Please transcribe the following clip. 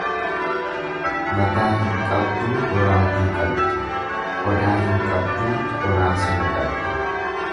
Mataa hin qabduu boraatii qabdi, qodaa hin qabduu qoraasuma qabdi.